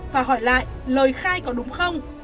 và hỏi lại lời khai có đúng không